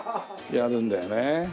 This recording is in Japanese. やるんだよねえ。